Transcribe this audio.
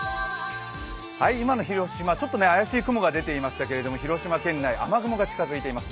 今の広島、ちょっと怪しい雲が出ていましたけれども、広島県内、雨雲が近づいています。